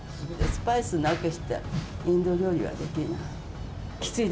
スパイスなくしてインド料理はできない。